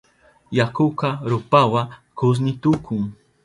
Yakuka rupawa kushni tukun.